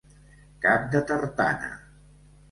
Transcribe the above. Cap de tartana.